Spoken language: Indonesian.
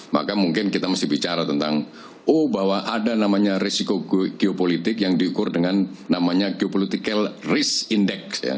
maka mungkin kita mesti bicara tentang oh bahwa ada namanya risiko geopolitik yang diukur dengan namanya geopolitical risk index